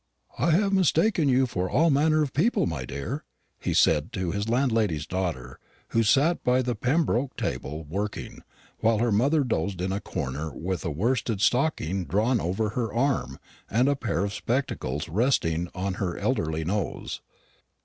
"I have mistaken you for all manner of people, my dear," he said to his landlady's daughter, who sat by the little Pembroke table working, while her mother dozed in a corner with a worsted stocking drawn over her arm and a pair of spectacles resting upon her elderly nose.